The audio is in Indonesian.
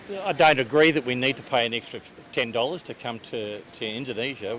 saya tidak setuju bahwa kita perlu bayar rp sepuluh untuk datang ke indonesia